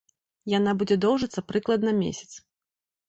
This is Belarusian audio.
Яна будзе доўжыцца прыкладна месяц.